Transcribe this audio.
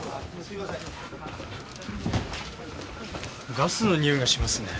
ガスの臭いがしますね。